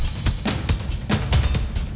ini sebelas tahun sayaakter